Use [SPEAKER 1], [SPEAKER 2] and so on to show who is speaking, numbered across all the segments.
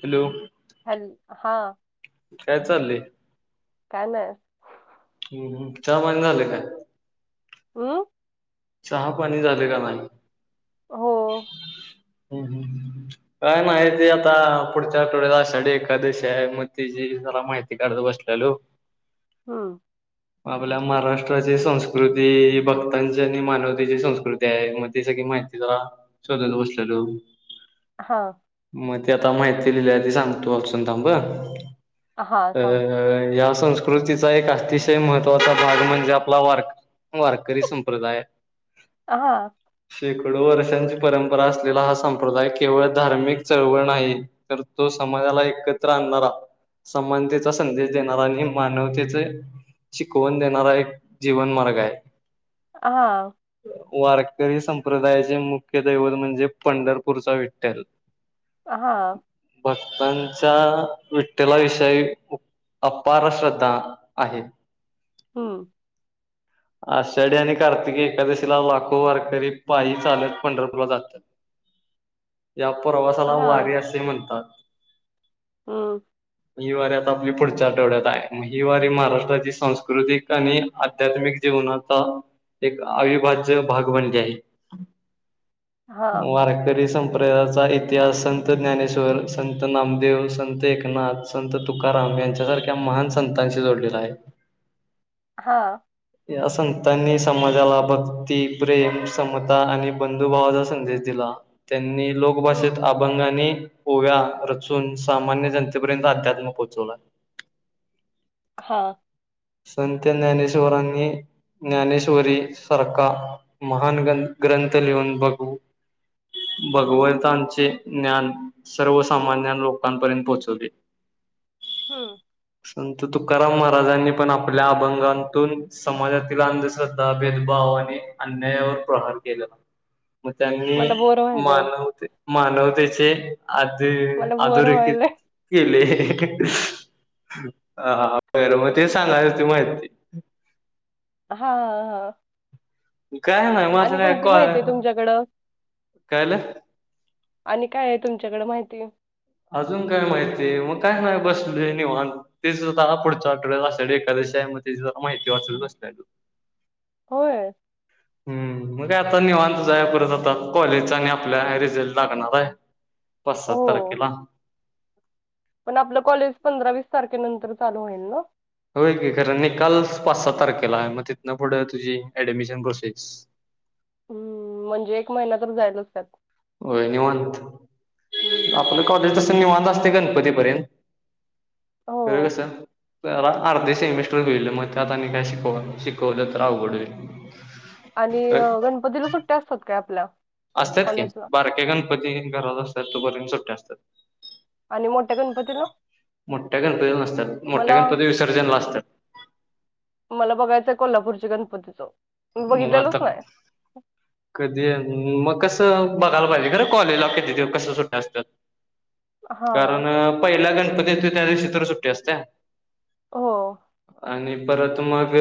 [SPEAKER 1] Hello
[SPEAKER 2] hello हा
[SPEAKER 1] काय चालेय?
[SPEAKER 2] ना.
[SPEAKER 1] ह् चहा पाणी झाले काय?
[SPEAKER 2] हम्म.
[SPEAKER 1] चहा पाणी झाले का नाही?
[SPEAKER 2] हो.
[SPEAKER 1] हम्म हम् काय नाही ते आता पुढच्या आठवड्यात आषाडी एकादशी आहे म ते जरा माहिती काढत बसलेलो.
[SPEAKER 2] हम.
[SPEAKER 1] आपल्या महाराष्ट्राची संस्कृती भक्तांची मानवतेची संस्कृती आहे मग ते सग माहितीचा शोधल बसलेलो.
[SPEAKER 2] हा.
[SPEAKER 1] मग ते आता माहिती लिहिली ती सांगतो वाचून थांब
[SPEAKER 2] हां.
[SPEAKER 1] अ
[SPEAKER 2] सांग.
[SPEAKER 1] या संस्कृतीचा एक अतिशय महत्त्वाचा भाग म्हणजे आपला वार वारकरी सं प्रदाय.
[SPEAKER 2] अ हा.
[SPEAKER 1] शेकडो वर्षांची परंपरा असलेला हा संप्रदाय केवळ धार्मिक चळवळ नाही तर तो समाजाला एकत्र आणणारा समानतेचा संदेश देणारा आणि मानवतेचे शिकवण देणारा एक जीवन मार्ग आहे.
[SPEAKER 2] हा.
[SPEAKER 1] वारकरी संप्रदायाचे मुख्य दैवत म्हणजे पंढरपूरचा विठ्ठल.
[SPEAKER 2] हा.
[SPEAKER 1] भक्तांच्या विठ्ठला विषयी अपार श्रद्धा आहे.
[SPEAKER 2] हम्म
[SPEAKER 1] आषाढी आणि कार्तिकी एकादशीला लाखो वारकरी पायी चालत पंढरपूरला जातात या प्रवासाला वारी असे म्हणतात
[SPEAKER 2] हम
[SPEAKER 1] ही वारी आता आपली पुढच्या आठवड्यात आहेग ही वारी महाराष्ट्राची सांस्कृतिक आणि आध्यात्मिक जीवनाचा एक अविभाज्य भाग बनले आहे
[SPEAKER 2] हां.
[SPEAKER 1] वारक तरी संप प्रेराचा इतिहास संत ज्ञानेश्वर संत नामदेव संत एकनाथ संत तुकाराम यांच्यासारख्या महान संतांशी जोडलेला आहे
[SPEAKER 2] हा
[SPEAKER 1] या संतांनी समाजाला भक्ती प्रेम समता आणि बंधुभावाचा संदेश दिला त्यांनी लोकभाषेत
[SPEAKER 2] हं.
[SPEAKER 1] अभंगाने ओव्या रचून सामान्य जनतेपर्यंत अध्यात्म पोहोचवला
[SPEAKER 2] हा
[SPEAKER 1] संत ज्ञानेश्वरांनी ज्ञानेश्वरी सारखा महान ग ग्रंथ लिहून बघू भगवंतांचे ज्ञान सर्वसामान्य लोकांपर्यंत पोहोचवले [inaudible]
[SPEAKER 2] हम
[SPEAKER 1] संत तू कराम महाराजांनी आपण आपल्या अभंगतून समाजातील अंधश्रद्धा भेदभाव आणि अन्यायावर प्रहार केला मग त्यांनी
[SPEAKER 2] मला बोर व्हायलंय.
[SPEAKER 1] मानवते मानवतेचे असे
[SPEAKER 2] मला बोर
[SPEAKER 1] अधोरेखित
[SPEAKER 2] व्हायलंय.
[SPEAKER 1] केले हा बर मग ते सांगाल त माहिती
[SPEAKER 2] हाा हा
[SPEAKER 1] काय नाही माझ ऐको
[SPEAKER 2] आहे तुमच्याकडं?
[SPEAKER 1] कायलं
[SPEAKER 2] आणि काय आहे तुमच्याकडें माहिती
[SPEAKER 1] अजून काय माहिती मग काय नाही बसले निवांत ते सुद्धा पुढच्या आठवड्याला आषाढी एकादशी आहे माहिती वाचत बसलेलो
[SPEAKER 2] होय
[SPEAKER 1] हम्म मग आता निवांतच आहे परत आता कॉलेजचा आणि आपल्या रिझल्ट लागणार आहे पाच सात
[SPEAKER 2] हो.
[SPEAKER 1] तारखेला
[SPEAKER 2] पण आपलं कॉलेज पंधरा वीस तारखेनंतर चालू होईल ना
[SPEAKER 1] होय की खरं निकाल पाच सहा तारखेला आहे मग तिथन पुढे तुझी ऍडमिशन प्रोसेस
[SPEAKER 2] हम्म म्हणजे एक महिना तर जायलाच त्यात
[SPEAKER 1] होय निवांत
[SPEAKER 2] हं.
[SPEAKER 1] आपलं कॉलेज तसं निवत असते गणपती यंत खरं
[SPEAKER 2] हो.
[SPEAKER 1] कस व अर्धे सेमिस्टर होल म आ तनी काय श शिकवतत अवघड
[SPEAKER 2] आणि गणपतीला सुट्ट्या असतात काय आपल्या
[SPEAKER 1] असतात कि
[SPEAKER 2] कॉलेजला
[SPEAKER 1] बारक्या गणपती घरात असतात तोपर्य सुट्ट्या असतात
[SPEAKER 2] आणि मोठ्या गणपतीला
[SPEAKER 1] मोठ्या गणपती नसतात मोठ्या
[SPEAKER 2] मला
[SPEAKER 1] गणपती विसर्जनला असतात
[SPEAKER 2] मला बघायचंय कोल्हापूरच्या गणपतीच मी
[SPEAKER 1] मग
[SPEAKER 2] बघितलेलोच
[SPEAKER 1] आता
[SPEAKER 2] ना
[SPEAKER 1] कधी मग कसं बघायला पाहिजे खरं कॉलेजला क तिथे कसं सुटं असतात
[SPEAKER 2] हा
[SPEAKER 1] कारण पहिला गणपती हो त्या दिव चित्र सुट्टी असते
[SPEAKER 2] हो
[SPEAKER 1] आणि परत मग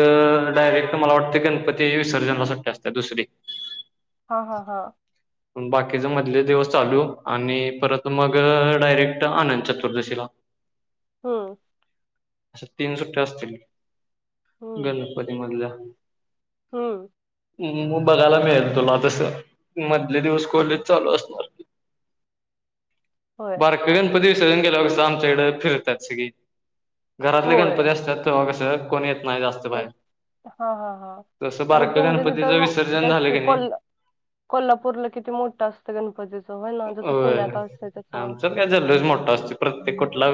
[SPEAKER 1] डायरेक्ट मला वाटते गणपती विसर्जनाला सुट्ट्या असते दुसरी
[SPEAKER 2] हा हा हा
[SPEAKER 1] बाकीचे मधले दिवस चालू आणि परत मग डायरेक्ट आनंद चतुर्दशीला [unintelligible]
[SPEAKER 2] हम
[SPEAKER 1] अा तीन सुट्ट्या असतील
[SPEAKER 2] हम्म
[SPEAKER 1] गणपती मधल्या
[SPEAKER 2] हम्म
[SPEAKER 1] मग बघायला मिळेल तुला तस मधले दिवस कोहिलेज चालू असणारी
[SPEAKER 2] होय
[SPEAKER 1] बर कगणपतीवी सजण गे लोक शा चड फिर तर सग घरातले
[SPEAKER 2] होय
[SPEAKER 1] गणपती असतातगस कोणी येत
[SPEAKER 2] तेच हा हा हा
[SPEAKER 1] त बार
[SPEAKER 2] आणि तुमच्या
[SPEAKER 1] गती
[SPEAKER 2] तिथं तेच पकोल कोल्हापूरला किती मोठं असतं गणपतीच होय ना जसं पुण्यात असतं तसं
[SPEAKER 1] प्रत्ये कुठला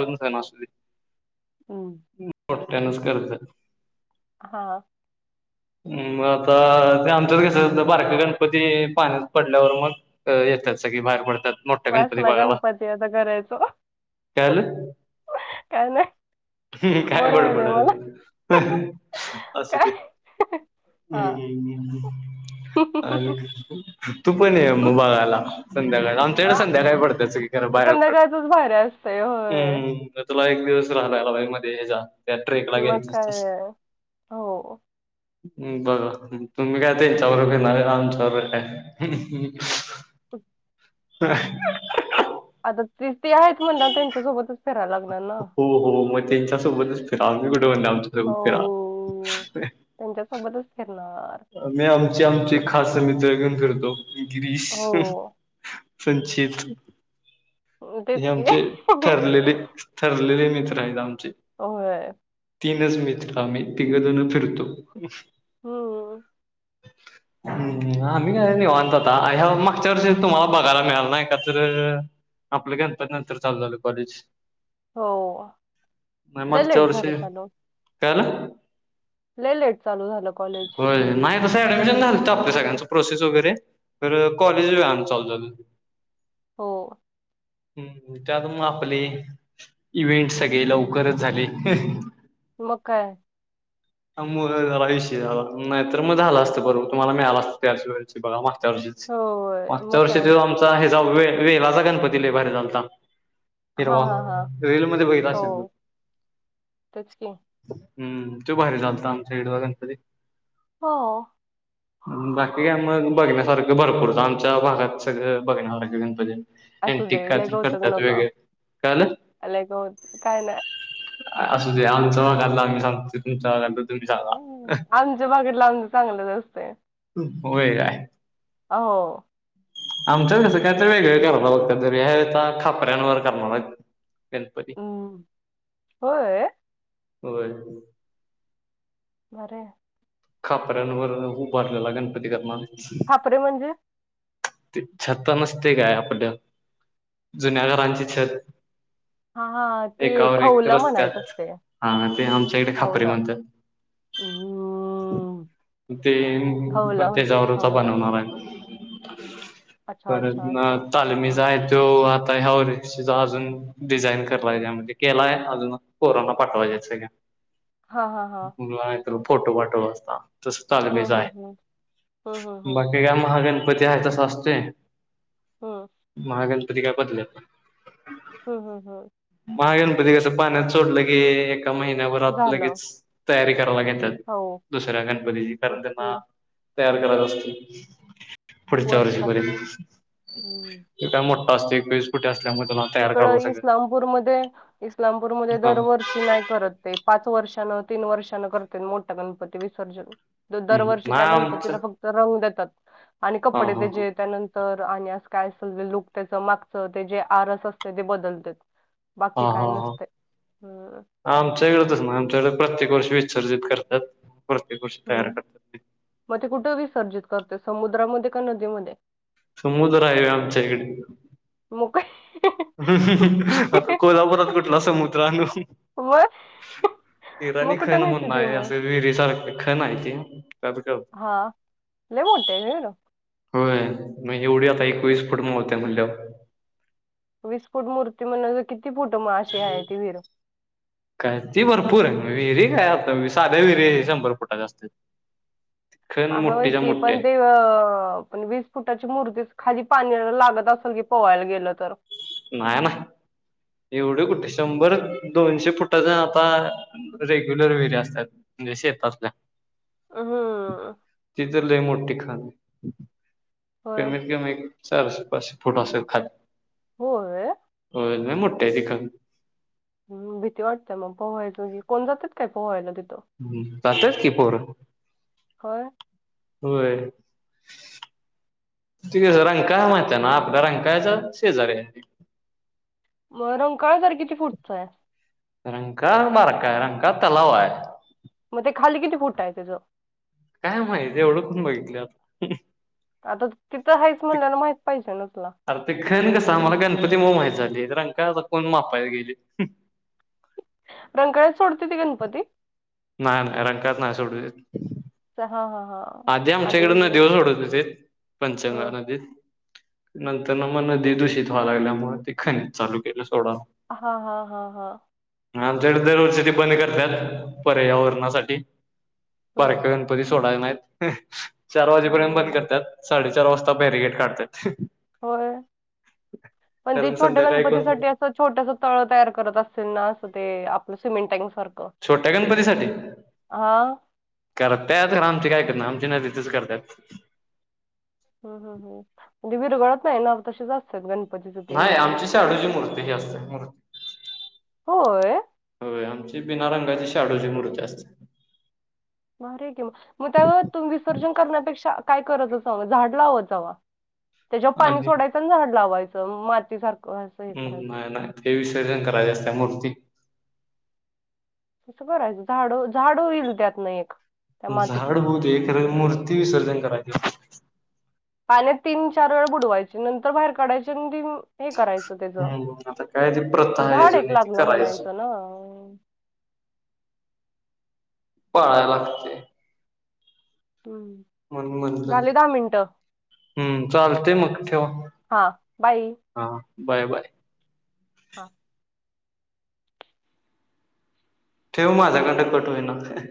[SPEAKER 2] हम्म.
[SPEAKER 1] मो्यानच कर्ज
[SPEAKER 2] हा
[SPEAKER 1] म आता बारक गणपती पाण्यात पडल्यावर मग येतात सगळी बाहेर पडतात मोठ्या
[SPEAKER 2] बस
[SPEAKER 1] गणपती
[SPEAKER 2] ना
[SPEAKER 1] बागाला
[SPEAKER 2] गणपती आता करायचो
[SPEAKER 1] कल
[SPEAKER 2] काय नाही
[SPEAKER 1] काय
[SPEAKER 2] बरं
[SPEAKER 1] पण
[SPEAKER 2] व्हायलंय मला
[SPEAKER 1] पणाल अस ते
[SPEAKER 2] काय
[SPEAKER 1] हम् हम्
[SPEAKER 2] हां.
[SPEAKER 1] हम्म हम् आणि तू पण ये मुभागायला संध्याकाळ आ तेढ संध्याकाही पडत सळीकडें बाहेर पडत
[SPEAKER 2] संध्याकाळचंच भारी असतंय होय.
[SPEAKER 1] हम्म तुला एक दिवस राहताला बाई मध्ये हच्या त्या ट्रेकला
[SPEAKER 2] मग
[SPEAKER 1] गेयस
[SPEAKER 2] काय हो.
[SPEAKER 1] बघा तुम्ही काय ते चौ रुपये न लाम च रु ह
[SPEAKER 2] आता ते ते आहेत म्हणणा त्यांच्यासोबतच फिरायला लागणार ना.
[SPEAKER 1] हो हो मग त्यांच्या सोबतच फिरा आमच स फिरा
[SPEAKER 2] हो. त्यांच्यासोबतच फिरणार.
[SPEAKER 1] मी आमची आमचे खास मित्रघण करतो गिरीश
[SPEAKER 2] हो.
[SPEAKER 1] संचित
[SPEAKER 2] तेच
[SPEAKER 1] हे
[SPEAKER 2] की.
[SPEAKER 1] आमचे ठरलेले ठरलेले राम
[SPEAKER 2] हो
[SPEAKER 1] मिम्ही तिघजून फिरतो
[SPEAKER 2] हम्म
[SPEAKER 1] [unintelligible] हम् आम्ही काय निवनतोता अ मागच्या वष तुम्हाला बघायला मिळाल ना एका तर आपलं कांतर नंतर चालू झालं कॉलेज
[SPEAKER 2] हो लै लेट झालं चालू
[SPEAKER 1] कायल
[SPEAKER 2] ले लेट चालू झालं कॉलेज.
[SPEAKER 1] हो मा सं ऍडमिशन घालत आप सगळ्यांच प्रोसेस वगैरे तर कॉलेज वेळाने चालू झा
[SPEAKER 2] हो
[SPEAKER 1] हम्म त्यात म आपले इव्हेंट सगळे लवकरच झाले
[SPEAKER 2] मुका
[SPEAKER 1] मुळ झाला ऐशी झाला नाही तरर मग झालं असतं भरूबर तुम्हाला मिळाला असत त्याच्या वेळेची बघा मग चर्
[SPEAKER 2] होय. मग
[SPEAKER 1] चर्चेत
[SPEAKER 2] काय.
[SPEAKER 1] आमचा हे जा वे वेलाचा गणपती भारी चालता
[SPEAKER 2] हां,
[SPEAKER 1] हिरवा
[SPEAKER 2] हां, हां.
[SPEAKER 1] रेल मध्ये बघला
[SPEAKER 2] हो.
[SPEAKER 1] असेधो
[SPEAKER 2] तेच की.
[SPEAKER 1] हम्म तू बाहेर चालत आमच्या इडवा घणपती
[SPEAKER 2] हो.
[SPEAKER 1] बाकी का मग बघन्या सारखं भरपूरच आमच्या भागात सगळं बघणार गणपती
[SPEAKER 2] असू दे
[SPEAKER 1] अंटिक
[SPEAKER 2] लय
[SPEAKER 1] कायतर
[SPEAKER 2] गवतगु
[SPEAKER 1] करतात
[SPEAKER 2] नको
[SPEAKER 1] वेगरे काल
[SPEAKER 2] लय गवत काय नाही
[SPEAKER 1] असं ते आमचा भागतल आमचं आमचं तुमच्या भगतलं
[SPEAKER 2] आमच्या बागतल आमच चांगलंच असतयं.
[SPEAKER 1] होय काय.
[SPEAKER 2] हो.
[SPEAKER 1] आमचं कसं काही तर वेगळ कारभार असत्यात दरवेळी. ह्यावेळी आता खापऱ्यांवर करणार हाईत. गणपती.
[SPEAKER 2] हम्म होय
[SPEAKER 1] होय.
[SPEAKER 2] बरे.
[SPEAKER 1] खापऱ्यांवर उभारलेला गणपती करनरेत.
[SPEAKER 2] खापरे म्हणजे?
[SPEAKER 1] ते छत नसते काय आपलं जुन्या घांरांची ची छत.
[SPEAKER 2] हा हा ते
[SPEAKER 1] एकावर एक
[SPEAKER 2] खौलं
[SPEAKER 1] रस्त्यात
[SPEAKER 2] म्हणायचं असतयं.
[SPEAKER 1] हा ते आमच्या इकडे खापरे म्हणतात.
[SPEAKER 2] हम्म
[SPEAKER 1] ते
[SPEAKER 2] खवलं म्हणतात
[SPEAKER 1] त्याच्यावरचा
[SPEAKER 2] खवलं
[SPEAKER 1] बनवणार हाय आम्ही.
[SPEAKER 2] अच्छा
[SPEAKER 1] परत
[SPEAKER 2] अच्छा
[SPEAKER 1] ना
[SPEAKER 2] अच्छा
[SPEAKER 1] तालमीज आहे तो तो आता ह्याचा अजून डिझाईन कराय म्हणजे केला अजून पोरांना पाठवाय का [inaudible]
[SPEAKER 2] हा, हा, हा.
[SPEAKER 1] फोटो पाठवला असता तस तालमीचा
[SPEAKER 2] हम्म
[SPEAKER 1] हाय.
[SPEAKER 2] हम्म हम्म हम्म हम्म
[SPEAKER 1] बाकी काय म हागण पती हाय तसा असतोय
[SPEAKER 2] हम्म
[SPEAKER 1] महागणपती काय बदलतं नाही.
[SPEAKER 2] हम्म हम्म हम्.
[SPEAKER 1] महागणपती कसं पाण्यात सोडलं की एका महिन्या भरात
[SPEAKER 2] झालं
[SPEAKER 1] लगेच तयारी करावं लागेल.
[SPEAKER 2] हो
[SPEAKER 1] दुसऱ्या गणपती कारण
[SPEAKER 2] तेच की
[SPEAKER 1] त्यांना तयार करत असतो. पुढच्या
[SPEAKER 2] वर्ष लागते
[SPEAKER 1] वर्षीपर्यंत
[SPEAKER 2] हम्म
[SPEAKER 1] काय मोठा असतोय. एकवीस फुटी असतोय.
[SPEAKER 2] तिकड इस्लामपूरमध्ये इलामपूरमध्ये
[SPEAKER 1] हा
[SPEAKER 2] दरवर्षी नाही करत ते पाच वर्ष तीन वर्षानं करते मोठा गणपती विसर्जन. दरवर्षी त्या
[SPEAKER 1] नाही
[SPEAKER 2] गणपतीला
[SPEAKER 1] आमचं
[SPEAKER 2] फक्त रंग देतात आणि
[SPEAKER 1] हा
[SPEAKER 2] कपडे
[SPEAKER 1] हा
[SPEAKER 2] त्याचे त्यानंतर आणि अस काय लुक त्याच मागच ते जे आरस असते ते बदलत.
[SPEAKER 1] हा हा हा. आमच्याकड तसं नाही आमच्याकडे प्रत्येक वर्षी विसर्जित करतात. प्रत्येक वर्षी तयार
[SPEAKER 2] हम्म.
[SPEAKER 1] करतात
[SPEAKER 2] मग ते कुठं विसर्जित करत्यात. समुद्रामध्ये का नदीमध्ये?
[SPEAKER 1] समुद्र हाय होय आमच्याहिकडं.
[SPEAKER 2] मग काय
[SPEAKER 1] ह आता कोल्हापुरात कुठला समुद्र अनु.
[SPEAKER 2] मग मग
[SPEAKER 1] हिराणी खण
[SPEAKER 2] कुठं नेते
[SPEAKER 1] म्हनुन
[SPEAKER 2] ते
[SPEAKER 1] हाय
[SPEAKER 2] मग
[SPEAKER 1] असं विहिर सारख खण आहे ती - -
[SPEAKER 2] हा लै मोठी हाय व्हिर?
[SPEAKER 1] होय. म्हण एवढी आता एकवीस फूट मावत्या म्हंटल्यावर.
[SPEAKER 2] वीस फूट मूर्ती म्हणव किती फूट अशी आहे ती विहीर?
[SPEAKER 1] काय ती भरपूर विहिरी काय. आता साध्या विहिरी शंभर फुटा असत्यात.
[SPEAKER 2] होय की पण ते पण वीस फुटाची मूर्ती खाली पाणी अ लागत असेल की पोवायला गेल तर
[SPEAKER 1] नाहीना. एवढे कुठे शंभर दोनशे फुटाच आता रेग्युलर विहिरी असत्यात. म्हणजे शेतात ल्या.
[SPEAKER 2] ह हु.
[SPEAKER 1] तिथे तर लय मोठी खण
[SPEAKER 2] होय
[SPEAKER 1] कमीत कम एक चारसे पाससे फुट असत्यात खाली.
[SPEAKER 2] हो य.
[SPEAKER 1] होय लई मोठी हाय ती खण.
[SPEAKER 2] भीती वाटत्या म पोहायच हि कोण जात्यात काय पोहायला तिथं?
[SPEAKER 1] जात्यात कि पोर
[SPEAKER 2] होय
[SPEAKER 1] होय. तिकसं रंकाळा माहिती हाय ना आपल्या रंकाळ्याच्या शेजारी हाय.
[SPEAKER 2] मग रंकाळा तरी किती फूटचा हाय?
[SPEAKER 1] रंका बार काय रंगका तलाव आहे
[SPEAKER 2] मग ते खाली किती फुट आहे त्याचं
[SPEAKER 1] काय माहिती एवढं पण बघितलं
[SPEAKER 2] आता तू तिथं आहेच म्हणल्या ना माहित पाहिजे ना तुला
[SPEAKER 1] खन कसा आमला गणपती मुळे माहितझाले तर अका कोण मापाया गेले हु
[SPEAKER 2] रंकळत सोडते ते गणपती
[SPEAKER 1] नाही करंकात नाही सोडू देत
[SPEAKER 2] हा हा हा
[SPEAKER 1] आधी आमच्याकड़े नदीवर सोडत हो ते पंचगन नदीत नंतर ना प्रदूषण व्हा लागल्यामुळे ते खणित चालू केलं सोडा
[SPEAKER 2] हा हा हा हा
[SPEAKER 1] आमच्या कड़े दर वर्षी ते बंद करतात पर्य वरणासाठी
[SPEAKER 2] हम्म
[SPEAKER 1] बारकया गणपती सोडायला नाहीत चार
[SPEAKER 2] हम्म
[SPEAKER 1] वाजेपर्यंत
[SPEAKER 2] हम्म
[SPEAKER 1] बंद
[SPEAKER 2] हम्म.
[SPEAKER 1] करतात साडेच चार वाजता बॅरिगेट काढतात
[SPEAKER 2] होय
[SPEAKER 1] [unintelligible]
[SPEAKER 2] पण ते छोट्या
[SPEAKER 1] संध्याकाळी कोण
[SPEAKER 2] गणपतीसाठी असं छोटस तळ तयार करत असतील ना ते आपलं सिमेंट टँक सारखं.
[SPEAKER 1] छोट्या गणपतीसाठी
[SPEAKER 2] हां
[SPEAKER 1] करतायत आमचे काय कर आमची नदितच करतात
[SPEAKER 2] हं हं हं म्हणजे विरघळत नाही ना आम्ही तसेस अस्त
[SPEAKER 1] नाही आमची शआडूची मूर्ती ती असते
[SPEAKER 2] होय
[SPEAKER 1] मूर्ती आमची बिना रंगाची शाडूची मूर्ती असते
[SPEAKER 2] मर की मग त्यावर तुम्ही विसर्जन करण्यापेक्षा काय कराय झाड लावत जावा त्याच्यावर पाणी
[SPEAKER 1] आणि
[SPEAKER 2] सोडायचं झाड लावायचं माती सारखं असं हे
[SPEAKER 1] हम्
[SPEAKER 2] करायचं.
[SPEAKER 1] नाही नाही ते विसर्जन करायच्या असत्या मूर्ती
[SPEAKER 2] तुज बरायचं झाड झाड होईल त्यातन एक त्या
[SPEAKER 1] झाड
[SPEAKER 2] मातीतनं.
[SPEAKER 1] बहुतर मूर्ती विसर्जन करायची
[SPEAKER 2] पाण्यात तीन चार वेळ बुडवायचे नंतर बाहेर काढायचे दीन हे करायचे त
[SPEAKER 1] हम्म आता काय ती प्रथा
[SPEAKER 2] त्याच
[SPEAKER 1] आहे
[SPEAKER 2] झाड एक
[SPEAKER 1] जुनी ती
[SPEAKER 2] लागलं
[SPEAKER 1] करायची
[SPEAKER 2] म्हणायचं ना
[SPEAKER 1] पाळाया लागते
[SPEAKER 2] हम्म.
[SPEAKER 1] म्हणून म्हणलं
[SPEAKER 2] झाले दहा मिनिटं.
[SPEAKER 1] हम्म चालते मग ठेवा
[SPEAKER 2] बाई
[SPEAKER 1] हा बाय बाय
[SPEAKER 2] हा
[SPEAKER 1] ठेव माझ्याकडन कट होयन ते